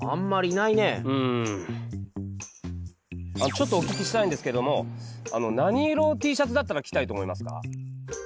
ちょっとお聞きしたいんですけども何色のＴシャツだったら着たいと思いますか？